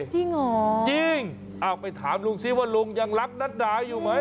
จริงเหรอจริงเอาไปถามลุงซิว่าลุงยังรักนัดดาอยู่ไหม